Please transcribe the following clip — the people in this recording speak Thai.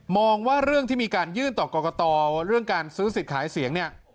ว่าเรื่องที่มีการยื่นต่อกรกตเรื่องการซื้อสิทธิ์ขายเสียงเนี่ย